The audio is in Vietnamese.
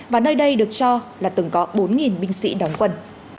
và nơi đây được cho là từng có bốn binh sĩ đóng quân